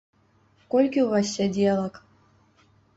Колькі ў вас сядзелак?